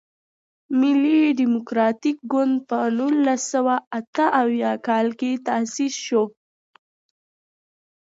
ملي ډیموکراتیک ګوند په نولس سوه اته اویا کال کې تاسیس شو.